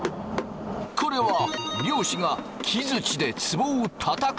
これは漁師が木づちでつぼをたたく音。